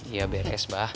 iya beres abah